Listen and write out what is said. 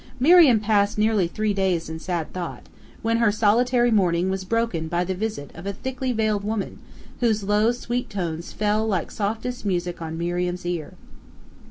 Miriam passed nearly three days in sad thought, when her solitary mourning was broken by the visit of a thickly veiled woman, whose low, sweet tones fell like softest music on Miriam's ear.